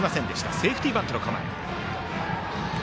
セーフティーバントの構え。